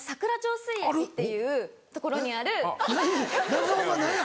中岡何や？